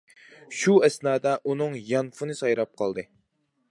شۇ ئەسنادا ئۇنىڭ يانفونى سايراپ قالدى.